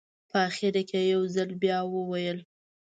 په اخره کې یې یو ځل بیا وویل.